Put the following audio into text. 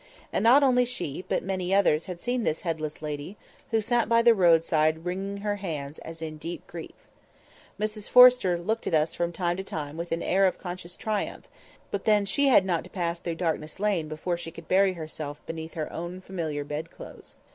And not only she, but many others, had seen this headless lady, who sat by the roadside wringing her hands as in deep grief. Mrs Forrester looked at us from time to time with an air of conscious triumph; but then she had not to pass through Darkness Lane before she could bury herself beneath her own familiar bed clothes.